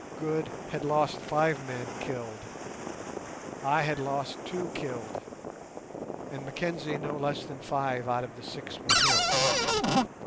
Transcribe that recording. Good had lost five men killed, I had lost two killed, and Mackenzie no less than five out of the six with him.